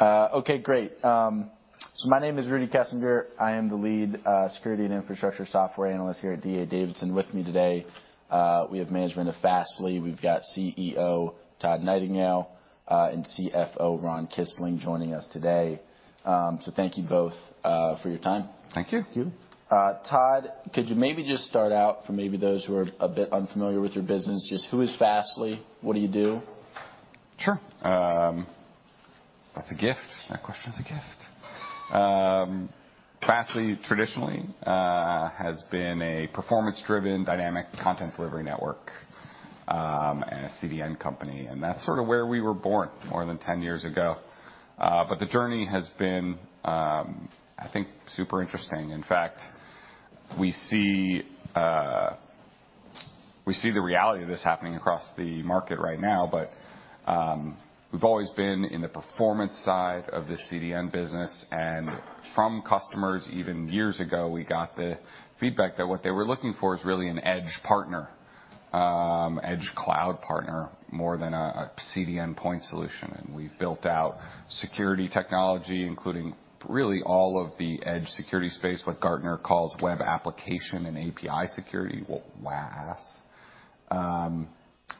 Okay, great. My name is Rudy Kessinger. I am the Lead Security and Infrastructure Software Analyst here at D.A. Davidson. With me today, we have management of Fastly. We've got CEO Todd Nightingale and CFO Ron Kisling joining us today. Thank you both for your time. Thank you. Thank you. Todd, could you maybe just start out for maybe those who are a bit unfamiliar with your business? Just who is Fastly? What do you do? Sure. That's a gift. That question is a gift. Fastly traditionally has been a performance-driven dynamic content delivery network, and a CDN company, and that's sort of where we were born more than 10 years ago. But the journey has been, I think, super interesting. In fact, we see, we see the reality of this happening across the market right now, but we've always been in the performance side of the CDN business, and from customers, even years ago, we got the feedback that what they were looking for is really an edge partner, edge cloud partner, more than a CDN point solution. And we've built out security technology, including really all of the edge security space, what Gartner calls web application and API security, well, WAAP.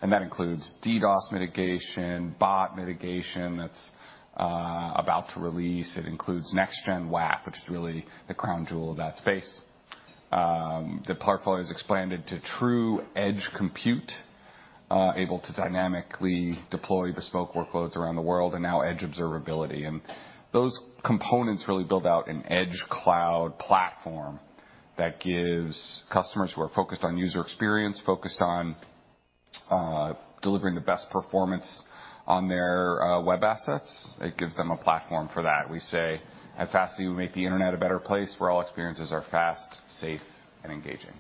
And that includes DDoS mitigation, bot mitigation that's about to release. It includes Next-Gen WAF, which is really the crown jewel of that space. The portfolio has expanded to true Edge Compute, able to dynamically deploy bespoke workloads around the world, and now edge observability. Those components really build out an edge cloud platform that gives customers who are focused on user experience, focused on, delivering the best performance on their, web assets. It gives them a platform for that. We say, "At Fastly, we make the internet a better place where all experiences are fast, safe, and engaging.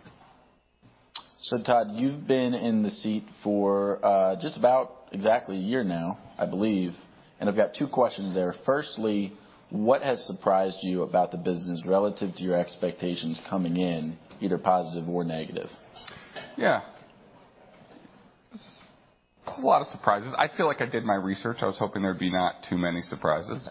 So, Todd, you've been in the seat for just about exactly a year now, I believe, and I've got two questions there. Firstly, what has surprised you about the business relative to your expectations coming in, either positive or negative? Yeah. A lot of surprises. I feel like I did my research. I was hoping there'd be not too many surprises.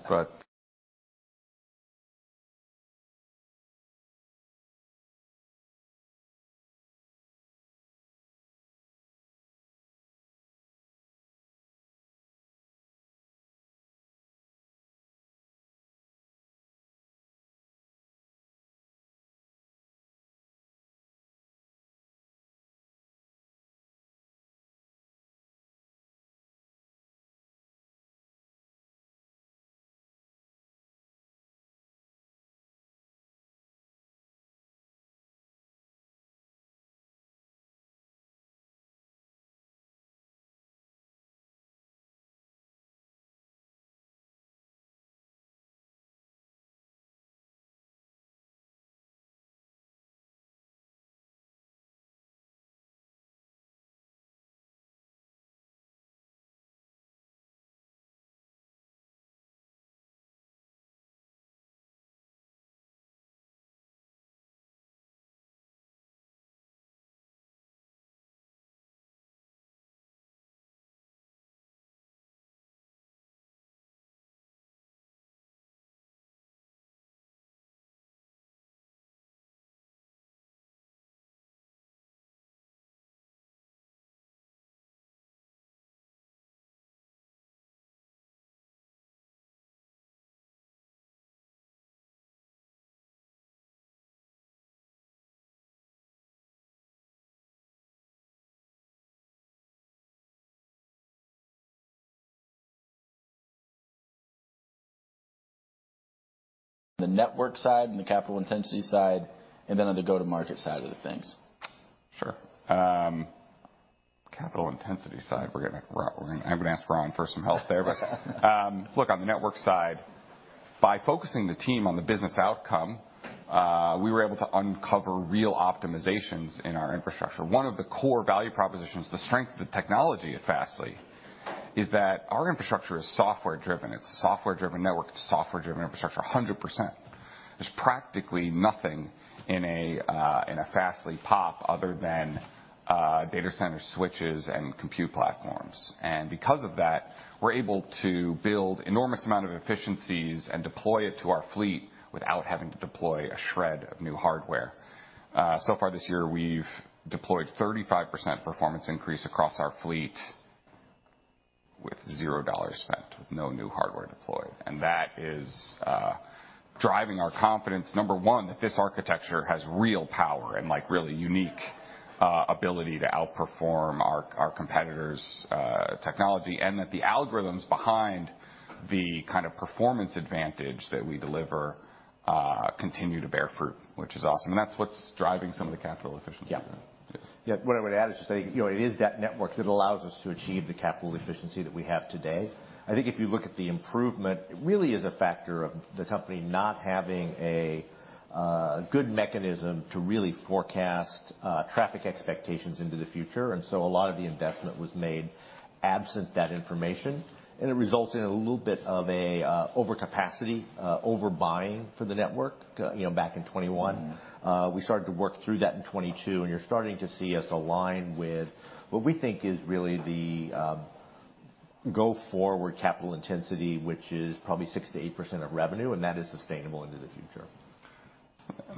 And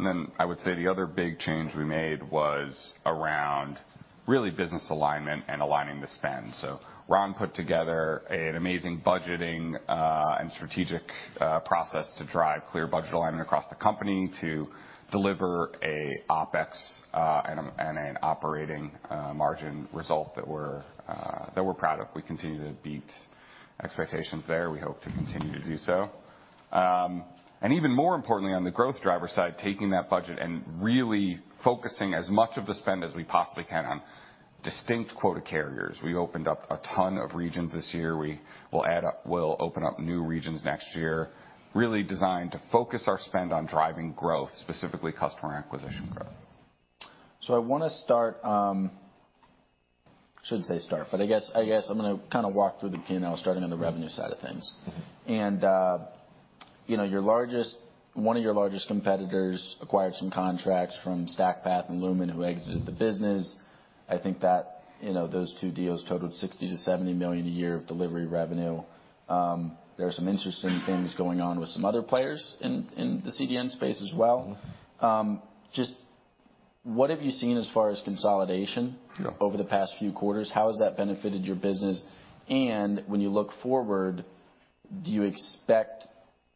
then I would say the other big change we made was around really business alignment and aligning the spend. So Ron put together an amazing budgeting and strategic process to drive clear budget alignment across the company to deliver an OpEx and an operating margin result that we're proud of. We continue to beat expectations there. We hope to continue to do so. And even more importantly, on the growth driver side, taking that budget and really focusing as much of the spend as we possibly can on distinct quota carriers. We opened up a ton of regions this year. We'll open up new regions next year, really designed to focus our spend on driving growth, specifically customer acquisition growth. So I wanna start. I shouldn't say start, but I guess I'm gonna kinda walk through the P&L, starting on the revenue side of things. Mm-hmm. You know, your largest—one of your largest competitors acquired some contracts from StackPath and Lumen, who exited the business. I think that, you know, those two deals totaled $60 million-$70 million a year of delivery revenue. There are some interesting things going on with some other players in the CDN space as well. Mm-hmm. Just what have you seen as far as consolidation? Yeah Over the past few quarters? How has that benefited your business? And when you look forward, do you expect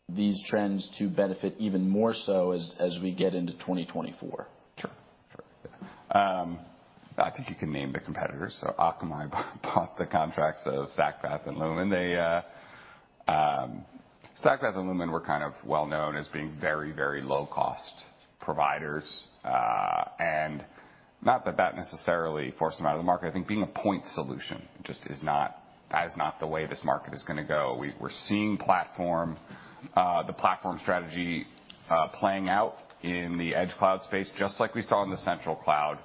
these trends to benefit even more so as we get into 2024? Sure, sure. I think you can name the competitors, so Akamai bought the contracts of StackPath and Lumen. They, StackPath and Lumen were kind of well known as being very, very low cost providers, and not that that necessarily forced them out of the market. I think being a point solution just is not that is not the way this market is gonna go. We're seeing platform, the platform strategy, playing out in the edge cloud space, just like we saw in the central cloud.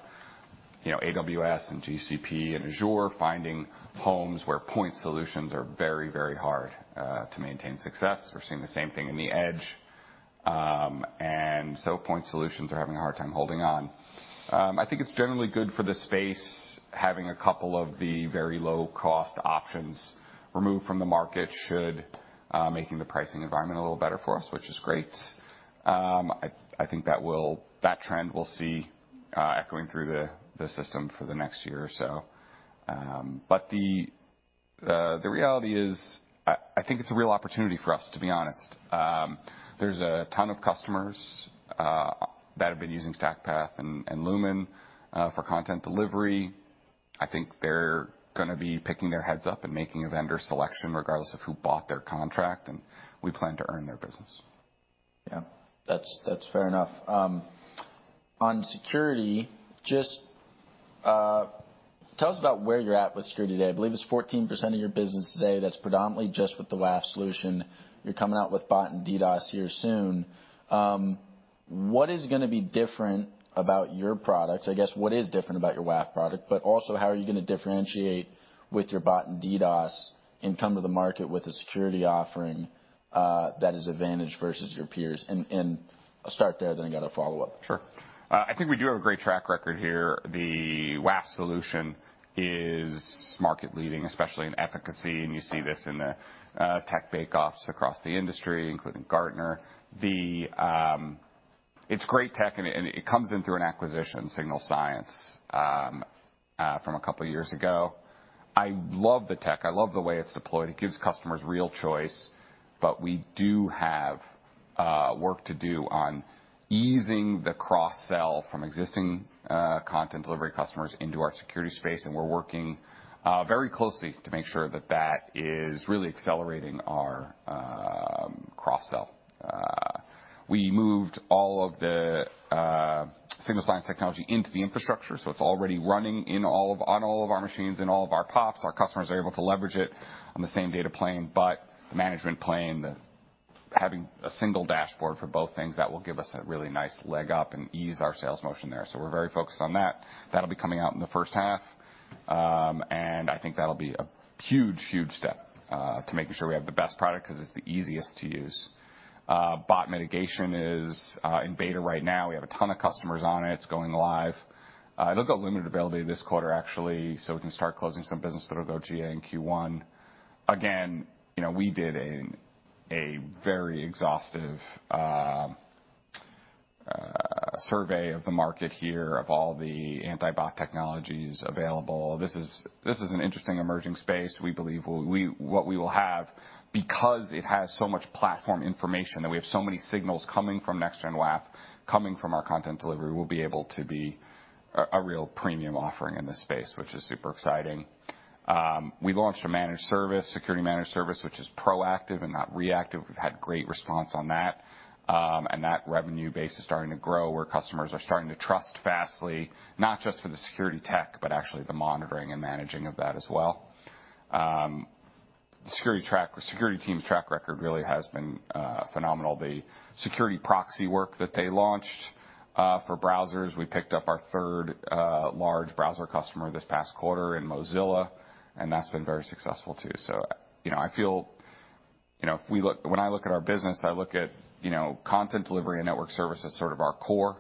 You know, AWS and GCP and Azure are finding homes where point solutions are very, very hard to maintain success. We're seeing the same thing in the edge. And so point solutions are having a hard time holding on. I think it's generally good for the space, having a couple of the very low-cost options removed from the market should making the pricing environment a little better for us, which is great. I think that trend we'll see echoing through the system for the next year or so. But the reality is, I think it's a real opportunity for us, to be honest. There's a ton of customers that have been using StackPath and Lumen for content delivery. I think they're gonna be picking their heads up and making a vendor selection, regardless of who bought their contract, and we plan to earn their business. Yeah, that's, that's fair enough. On security, just tell us about where you're at with security today. I believe it's 14% of your business today that's predominantly just with the WAF solution. You're coming out with bot and DDoS here soon. What is gonna be different about your products? I guess, what is different about your WAF product, but also, how are you gonna differentiate with your bot and DDoS and come to the market with a security offering that is advantage versus your peers? And, and I'll start there, then I got a follow-up. Sure. I think we do have a great track record here. The WAF solution is market leading, especially in efficacy, and you see this in the tech bakeoffs across the industry, including Gartner. It's great tech, and it comes in through an acquisition, Signal Sciences, from a couple of years ago. I love the tech. I love the way it's deployed. It gives customers real choice, but we do have work to do on easing the cross-sell from existing content delivery customers into our security space, and we're working very closely to make sure that that is really accelerating our cross-sell. We moved all of the Signal Sciences technology into the infrastructure, so it's already running on all of our machines, in all of our POPs. Our customers are able to leverage it on the same data plane, but the management plane, having a single dashboard for both things, that will give us a really nice leg up and ease our sales motion there. So we're very focused on that. That'll be coming out in the first half. And I think that'll be a huge, huge step to making sure we have the best product, 'cause it's the easiest to use. Bot mitigation is in beta right now. We have a ton of customers on it. It's going live. It'll go limited availability this quarter, actually, so we can start closing some business, but it'll go GA in Q1. Again, you know, we did a very exhaustive survey of the market here, of all the anti-bot technologies available. This is an interesting emerging space. We believe what we will have, because it has so much platform information, that we have so many signals coming from Next-Gen WAF, coming from our content delivery, we'll be able to be a real premium offering in this space, which is super exciting. We launched a managed service, security managed service, which is proactive and not reactive. We've had great response on that, and that revenue base is starting to grow, where customers are starting to trust Fastly, not just for the security tech, but actually the monitoring and managing of that as well. The security team's track record really has been phenomenal. The security proxy work that they launched for browsers, we picked up our 3rd large browser customer this past quarter in Mozilla, and that's been very successful, too. You know, I feel, you know, if we look, when I look at our business, I look at, you know, content delivery and network service as sort of our core....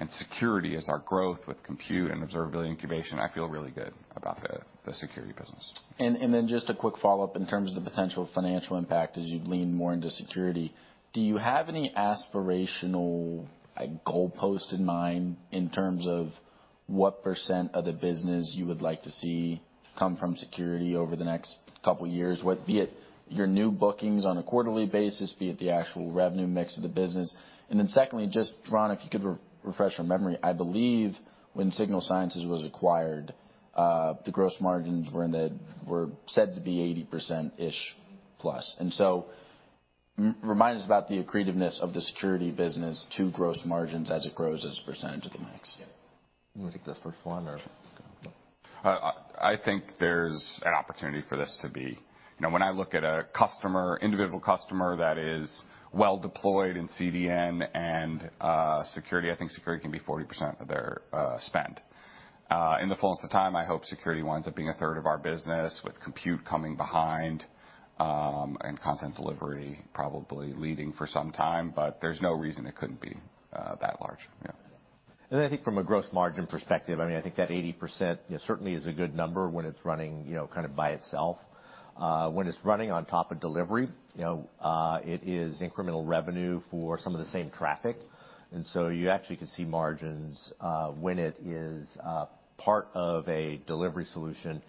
and security is our growth with compute and observability incubation. I feel really good about the security business. And then just a quick follow-up in terms of the potential financial impact as you lean more into security. Do you have any aspirational, like, goalpost in mind in terms of what percent of the business you would like to see come from security over the next couple of years? What, be it your new bookings on a quarterly basis, be it the actual revenue mix of the business. Then secondly, just, Ron, if you could re-refresh my memory, I believe when Signal Sciences was acquired, the gross margins were said to be 80%-ish plus. And so re-remind us about the accretiveness of the security business to gross margins as it grows as a percentage of the mix. You want to take the first one, or? I think there's an opportunity for this to be... Now, when I look at a customer, individual customer that is well deployed in CDN and security, I think security can be 40% of their spend. In the fullness of time, I hope security winds up being a 3rd of our business, with compute coming behind, and content delivery probably leading for some time, but there's no reason it couldn't be that large. Yeah. I think from a gross margin perspective, I mean, I think that 80%, you know, certainly is a good number when it's running, you know, kind of by itself. When it's running on top of delivery, you know, it is incremental revenue for some of the same traffic, and so you actually can see margins, when it is, part of a delivery solution,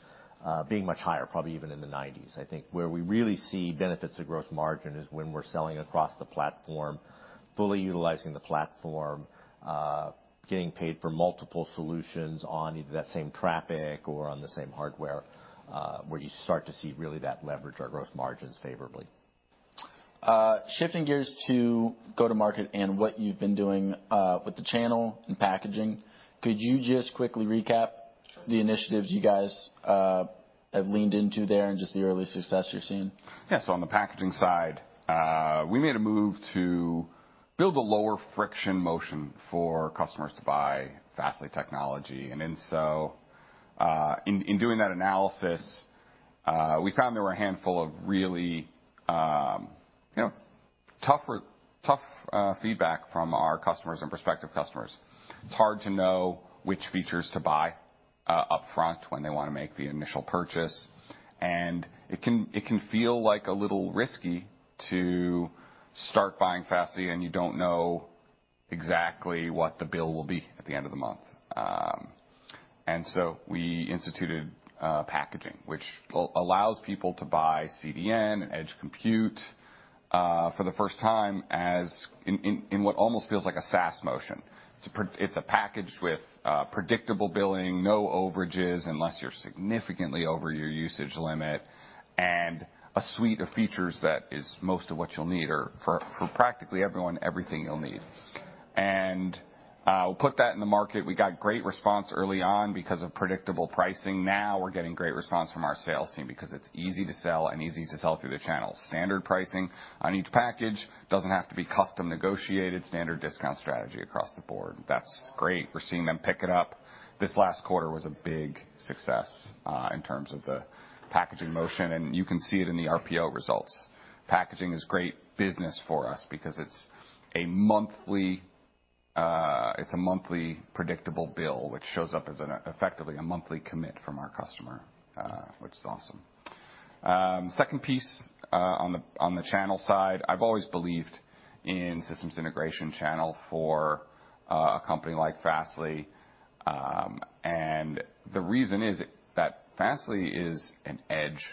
being much higher, probably even in the 90s. I think where we really see benefits to gross margin is when we're selling across the platform, fully utilizing the platform, getting paid for multiple solutions on either that same traffic or on the same hardware, where you start to see really that leverage our gross margins favorably. Shifting gears to go-to-market and what you've been doing, with the channel and packaging. Could you just quickly recap- Sure. the initiatives you guys have leaned into there and just the early success you're seeing? Yeah. So on the packaging side, we made a move to build a lower friction motion for customers to buy Fastly technology. And then so, in doing that analysis, we found there were a handful of really, you know, tough feedback from our customers and prospective customers. It's hard to know which features to buy upfront when they want to make the initial purchase. And it can feel like a little risky to start buying Fastly, and you don't know exactly what the bill will be at the end of the month. And so we instituted packaging, which allows people to buy CDN and Edge Compute for the first time, as in what almost feels like a SaaS motion. It's a package with predictable billing, no overages, unless you're significantly over your usage limit, and a suite of features that is most of what you'll need, or for, for practically everyone, everything you'll need. We put that in the market. We got great response early on because of predictable pricing. Now, we're getting great response from our sales team because it's easy to sell and easy to sell through the channel. Standard pricing on each package, doesn't have to be custom negotiated, standard discount strategy across the board. That's great. We're seeing them pick it up. This last quarter was a big success in terms of the packaging motion, and you can see it in the RPO results. Packaging is great business for us because it's a monthly, it's a monthly predictable bill, which shows up as effectively, a monthly commit from our customer, which is awesome. Second piece, on the, on the channel side, I've always believed in systems integration channel for, a company like Fastly. And the reason is that Fastly is an edge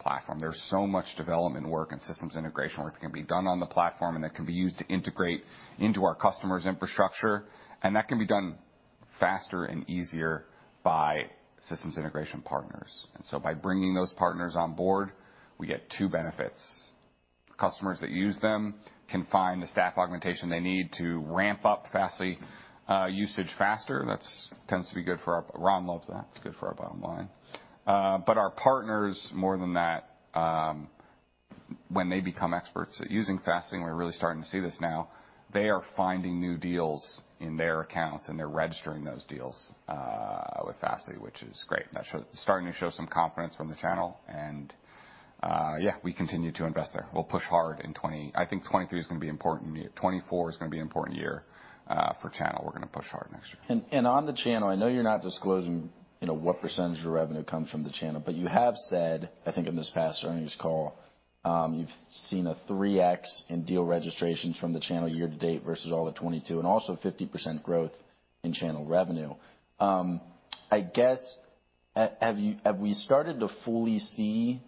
platform. There's so much development work and systems integration work that can be done on the platform, and that can be used to integrate into our customer's infrastructure, and that can be done faster and easier by systems integration partners. And so by bringing those partners on board, we get two benefits. Customers that use them can find the staff augmentation they need to ramp up Fastly usage faster. That's tends to be good for our... Ron loves that. It's good for our bottom line. But our partners, more than that, when they become experts at using Fastly, and we're really starting to see this now, they are finding new deals in their accounts, and they're registering those deals with Fastly, which is great. Starting to show some confidence from the channel, and yeah, we continue to invest there. We'll push hard in 2023. I think 2023 is gonna be an important year. 2024 is gonna be an important year for channel. We're gonna push hard next year. On the channel, I know you're not disclosing, you know, what percentage of revenue comes from the channel, but you have said, I think in this past earnings call, you've seen a 3x in deal registrations from the channel year to date versus all of 2022, and also 50% growth in channel revenue. I guess, have we started to fully see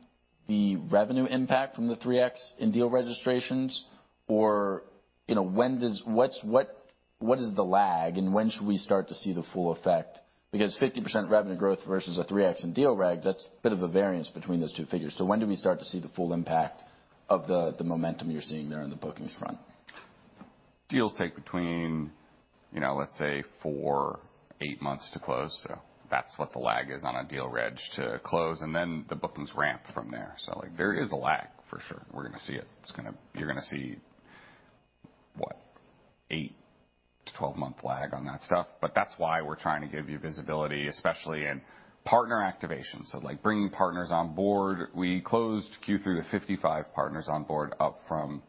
the revenue impact from the 3x in deal registrations? Or, you know, when does—what's the lag, and when should we start to see the full effect? Because 50% revenue growth versus a 3x in deal reg, that's a bit of a variance between those two figures. So when do we start to see the full impact of the momentum you're seeing there on the bookings front? Deals take between, you know, let's say 4-8 months to close, so that's what the lag is on a deal reg to close, and then the bookings ramp from there. So like, there is a lag, for sure. We're gonna see it. It's gonna you're gonna see, what? 8-12-month lag on that stuff, but that's why we're trying to give you visibility, especially in partner activation. So, like, bringing partners on board, we closed Q3 with 55 partners on board, up from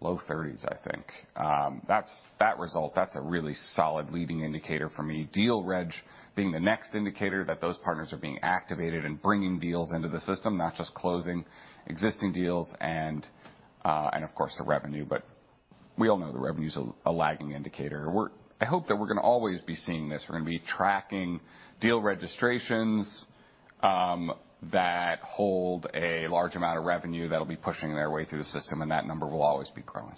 low 30s, I think. That's that result, that's a really solid leading indicator for me. Deal reg being the next indicator that those partners are being activated and bringing deals into the system, not just closing existing deals, and of course, the revenue, but we all know the revenue is a lagging indicator. I hope that we're going to always be seeing this. We're going to be tracking deal registrations that hold a large amount of revenue that'll be pushing their way through the system, and that number will always be growing.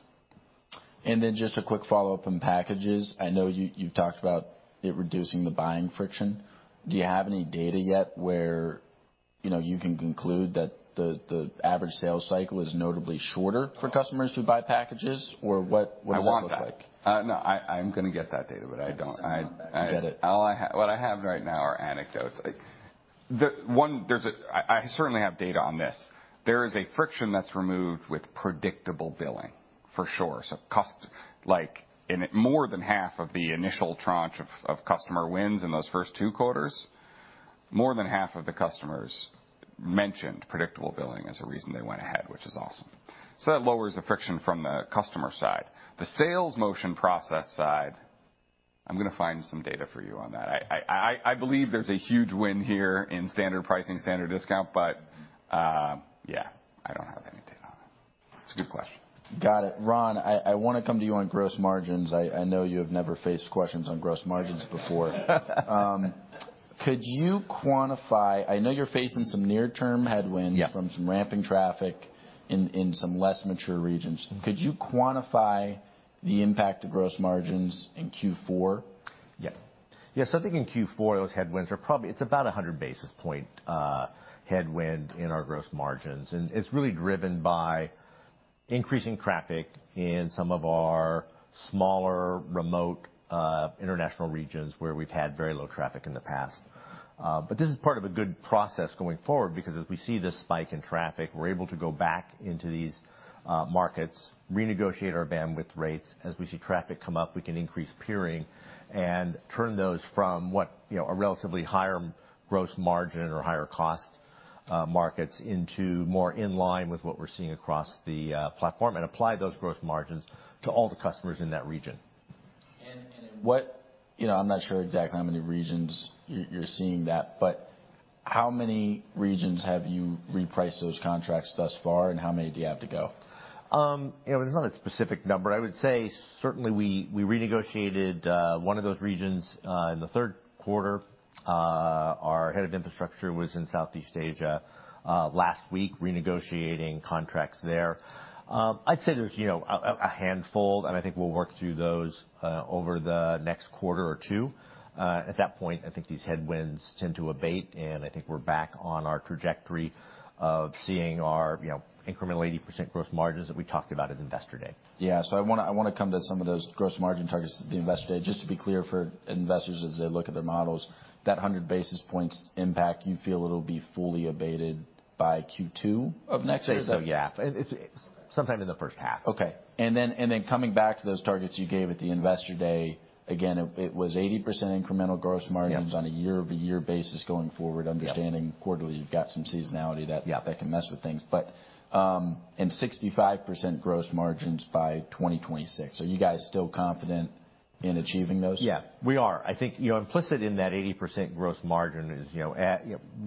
Then just a quick follow-up on packages. I know you, you've talked about it reducing the buying friction. Do you have any data yet where, you know, you can conclude that the average sales cycle is notably shorter for customers who buy packages? Or what does that look like? I want that. No, I'm going to get that data, but I don't. I get it. All I have—what I have right now are anecdotes. Like, the one—there's a... I certainly have data on this. There is a friction that's removed with predictable billing, for sure. So cost, like, in more than half of the initial tranche of customer wins in those first two quarters, more than half of the customers mentioned predictable billing as a reason they went ahead, which is awesome. So that lowers the friction from the customer side. The sales motion process side, I'm going to find some data for you on that. I believe there's a huge win here in standard pricing, standard discount, but, yeah, I don't have any data on it. It's a good question. Got it. Ron, I want to come to you on gross margins. I know you have never faced questions on gross margins before. Could you quantify... I know you're facing some near-term headwinds- Yeah. from some ramping traffic in some less mature regions. Could you quantify the impact to gross margins in Q4? Yeah. Yeah, so I think in Q4, those headwinds are probably it's about 100 basis points headwind in our gross margins, and it's really driven by increasing traffic in some of our smaller, remote, international regions, where we've had very low traffic in the past. But this is part of a good process going forward, because as we see this spike in traffic, we're able to go back into these, markets, renegotiate our bandwidth rates. As we see traffic come up, we can increase peering and turn those from what, you know, a relatively higher gross margin or higher cost, markets into more in line with what we're seeing across the, platform and apply those gross margins to all the customers in that region. In what... You know, I'm not sure exactly how many regions you're seeing that, but how many regions have you repriced those contracts thus far, and how many do you have to go? You know, there's not a specific number. I would say certainly we, we renegotiated one of those regions in the third quarter. Our head of infrastructure was in Southeast Asia last week, renegotiating contracts there. I'd say there's, you know, a, a handful, and I think we'll work through those over the next quarter or two. At that point, I think these headwinds tend to abate, and I think we're back on our trajectory of seeing our, you know, incremental 80% gross margins that we talked about at Investor Day. Yeah. So I want to come to some of those gross margin targets at the Investor Day. Just to be clear, for investors, as they look at their models, that 100 basis points impact, you feel it'll be fully abated by Q2 of next year? I'd say so, yeah. It's sometime in the first half. Okay. And then coming back to those targets you gave at the Investor Day, again, it was 80% incremental gross margins- Yeah on a year-over-year basis going forward. Yeah understanding quarterly, you've got some seasonality that Yeah -that can mess with things, but, and 65% gross margins by 2026. Are you guys still confident in achieving those? Yeah, we are. I think, you know, implicit in that 80% gross margin is, you know, at...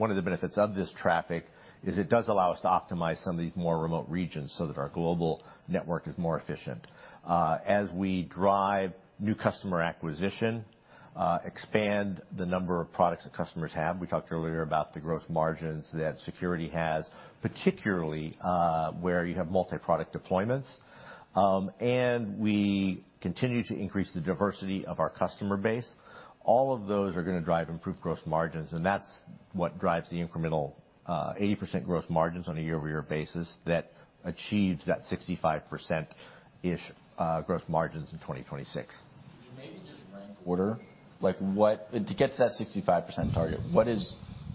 One of the benefits of this traffic is it does allow us to optimize some of these more remote regions so that our global network is more efficient. As we drive new customer acquisition, expand the number of products that customers have, we talked earlier about the gross margins that security has, particularly where you have multi-product deployments, and we continue to increase the diversity of our customer base. All of those are going to drive improved gross margins, and that's what drives the incremental 80% gross margins on a year-over-year basis that achieves that 65%-ish gross margins in 2026. Could you maybe just rank order, like, what to get to that 65% target,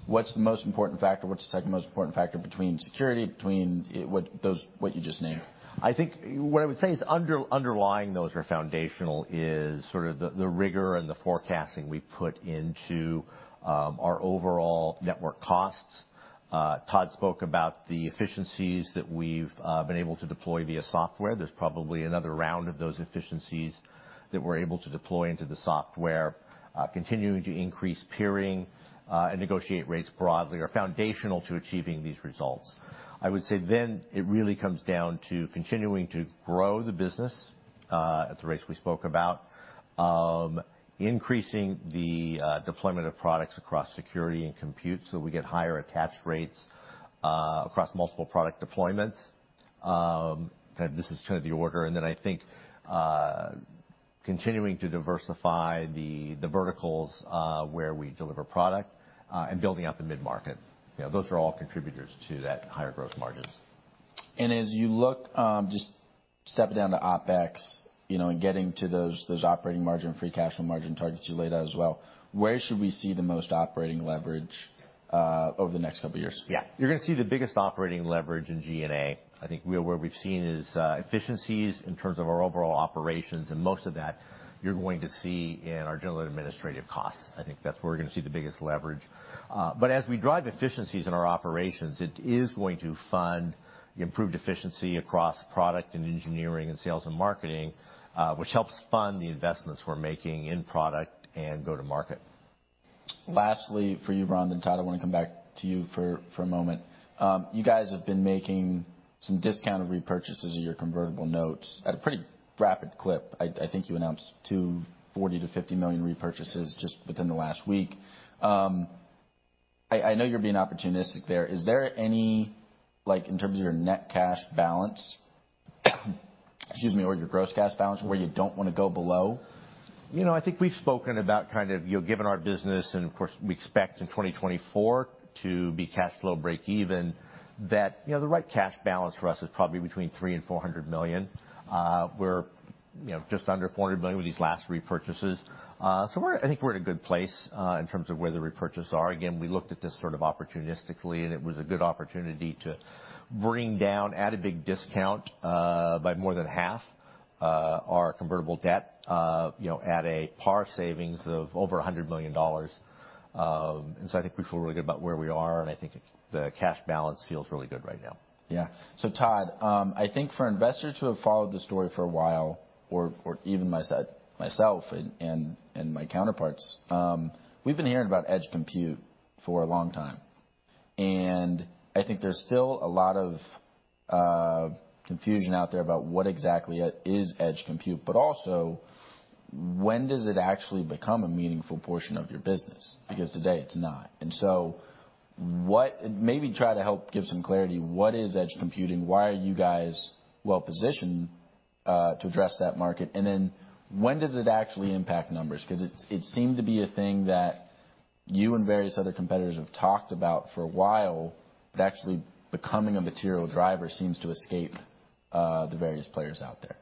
what's the most important factor? What's the second most important factor between security, between what those, what you just named? I think what I would say is underlying those are foundational is sort of the rigor and the forecasting we put into our overall network costs. Todd spoke about the efficiencies that we've been able to deploy via software. There's probably another round of those efficiencies that we're able to deploy into the software. Continuing to increase peering and negotiate rates broadly are foundational to achieving these results. I would say then, it really comes down to continuing to grow the business at the rates we spoke about, increasing the deployment of products across security and compute, so we get higher attach rates across multiple product deployments. This is kind of the order. Then I think continuing to diversify the verticals where we deliver product and building out the mid-market. You know, those are all contributors to that higher growth margins. As you look, just step down to OpEx, you know, and getting to those, those operating margin, free cash flow margin targets you laid out as well, where should we see the most operating leverage over the next couple of years? Yeah. You're going to see the biggest operating leverage in G&A. I think where, where we've seen is efficiencies in terms of our overall operations, and most of that you're going to see in our general administrative costs. I think that's where we're going to see the biggest leverage. But as we drive efficiencies in our operations, it is going to fund the improved efficiency across product and engineering and sales and marketing, which helps fund the investments we're making in product and go to market.... lastly, for you, Ron, then Todd, I want to come back to you for a moment. You guys have been making some discounted repurchases of your convertible notes at a pretty rapid clip. I think you announced two $40 million-$50 million repurchases just within the last week. I know you're being opportunistic there. Is there any, like, in terms of your net cash balance, excuse me, or your gross cash balance, where you don't want to go below? You know, I think we've spoken about kind of, you know, given our business, and of course, we expect in 2024 to be cash flow breakeven, that, you know, the right cash balance for us is probably between $300 million and $400 million. We're, you know, just under $400 million with these last repurchases. So we're, I think we're in a good place, in terms of where the repurchases are. Again, we looked at this sort of opportunistically, and it was a good opportunity to bring down, at a big discount, by more than half, our convertible debt, you know, at a par savings of over $100 million. And so I think we feel really good about where we are, and I think the cash balance feels really good right now. Yeah. So, Todd, I think for investors who have followed this story for a while, or even myself and my counterparts, we've been hearing about Edge Compute for a long time, and I think there's still a lot of confusion out there about what exactly is Edge Compute, but also, when does it actually become a meaningful portion of your business? Because today it's not. And so what... Maybe try to help give some clarity. What is edge computing? Why are you guys well positioned to address that market? And then when does it actually impact numbers? 'Cause it seemed to be a thing that you and various other competitors have talked about for a while, but actually becoming a material driver seems to escape the various players out there.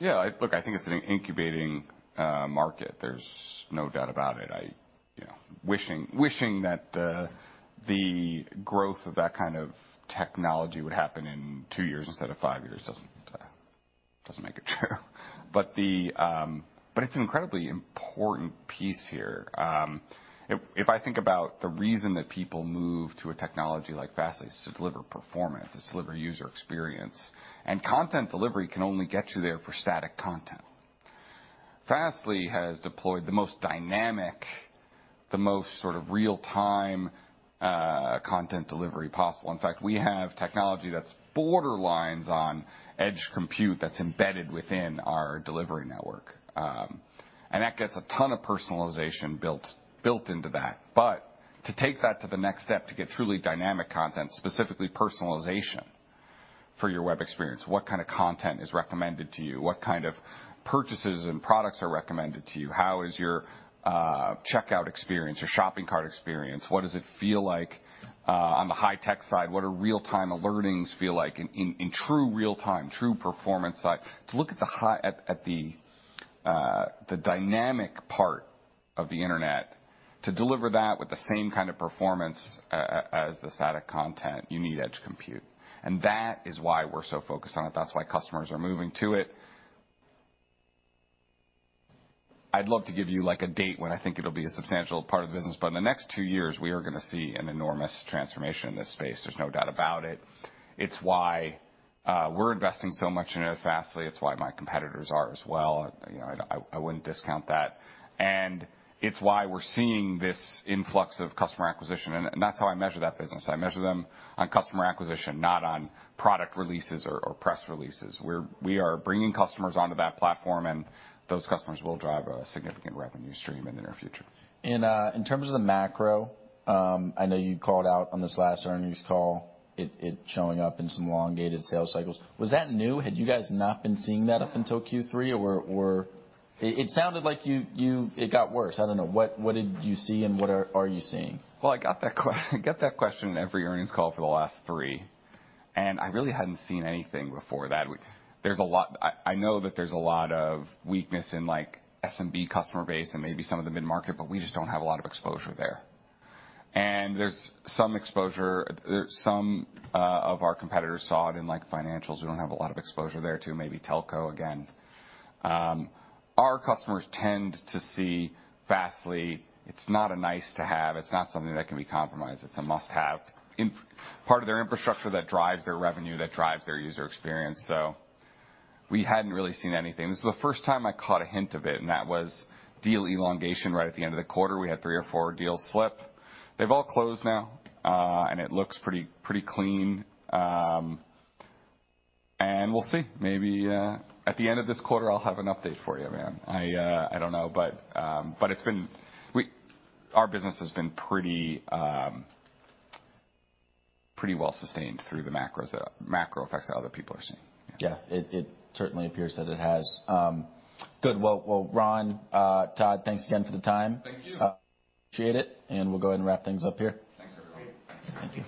Yeah, look, I think it's an incubating market. There's no doubt about it. I, you know, wishing that the growth of that kind of technology would happen in two years instead of five years doesn't make it true. But it's an incredibly important piece here. If I think about the reason that people move to a technology like Fastly is to deliver performance, it's to deliver user experience, and content delivery can only get you there for static content. Fastly has deployed the most dynamic, the most sort of real-time content delivery possible. In fact, we have technology that's borderline on Edge Compute that's embedded within our delivery network. And that gets a ton of personalization built into that. But to take that to the next step, to get truly dynamic content, specifically personalization for your web experience, what kind of content is recommended to you? What kind of purchases and products are recommended to you? How is your checkout experience, your shopping cart experience? What does it feel like on the high tech side? What are real-time alerts feel like in true real time, true performance side? To look at the high at the dynamic part of the internet, to deliver that with the same kind of performance as the static content, you need Edge Compute, and that is why we're so focused on it. That's why customers are moving to it. I'd love to give you, like, a date when I think it'll be a substantial part of the business, but in the next two years, we are going to see an enormous transformation in this space. There's no doubt about it. It's why we're investing so much into it at Fastly. It's why my competitors are as well. You know, I wouldn't discount that. And it's why we're seeing this influx of customer acquisition, and that's how I measure that business. I measure them on customer acquisition, not on product releases or press releases. We are bringing customers onto that platform, and those customers will drive a significant revenue stream in the near future. And, in terms of the macro, I know you called out on this last earnings call, it showing up in some elongated sales cycles. Was that new? Had you guys not been seeing that up until Q3, or were... It sounded like you-- it got worse. I don't know. What did you see, and what are you seeing? Well, I get that question in every earnings call for the last three, and I really hadn't seen anything before that. I know that there's a lot of weakness in, like, SMB customer base and maybe some of the mid-market, but we just don't have a lot of exposure there. And there's some exposure, some of our competitors saw it in, like, financials. We don't have a lot of exposure there to maybe telco again. Our customers tend to see Fastly, it's not a nice-to-have. It's not something that can be compromised. It's a must-have in part of their infrastructure that drives their revenue, that drives their user experience, so we hadn't really seen anything. This is the first time I caught a hint of it, and that was deal elongation right at the end of the quarter. We had three or four deals slip. They've all closed now, and it looks pretty, pretty clean. And we'll see. Maybe, at the end of this quarter, I'll have an update for you, man. I, I don't know, but, but it's been... Our business has been pretty, pretty well sustained through the macros, macro effects that other people are seeing. Yeah, it certainly appears that it has. Good. Well, well, Ron, Todd, thanks again for the time. Thank you. Appreciate it, and we'll go ahead and wrap things up here. Thanks, everyone. Thank you.